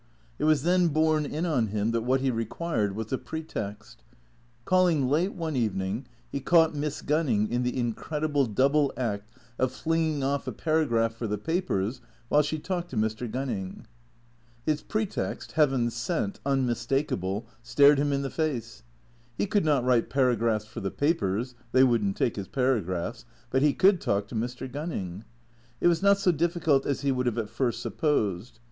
It was then borne in on him that what he required was a pretext. Calling late one evening he caught Miss Gunning in the incredible double act of flinging off a paragraph for the papers while she talked to Mr. Gunning. His pretext, heaven sent, unmistakable, stared him in the face. He could not write paragraphs for the papers (they would n't take his paragraphs), but he could talk to Mr. Gunning. It was not so difficult as he would have at first supposed.